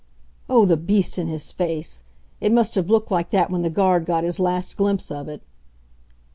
Oh, the beast in his face! It must have looked like that when the guard got his last glimpse of it.